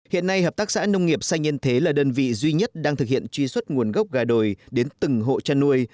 hiện nay hợp tác xã nông nghiệp xanh yên thế là đơn vị duy nhất đang thực hiện truy xuất nguồn gốc gà đồi đến từng hộ chăn nuôi